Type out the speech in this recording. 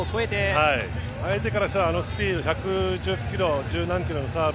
相手からしたらあのスピード１００何キロのサーブ。